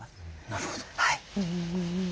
なるほど。